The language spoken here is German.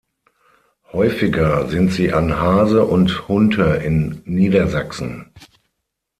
Häufiger sind sie an Hase und Hunte in Niedersachsen.